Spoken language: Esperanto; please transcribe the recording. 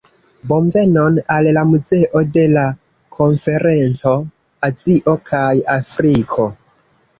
Bonvenon al la muzeo de la konferenco, Azio kaj Afriko